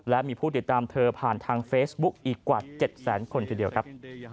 และมีผู้ติดตามเธอผ่านทางเฟซบุ๊กอีกกว่า๗แสนคนทีเดียวครับ